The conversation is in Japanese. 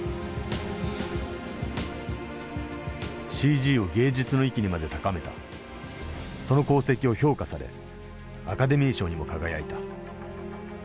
ＣＧを芸術の域にまで高めたその功績を評価されアカデミー賞にも輝いた。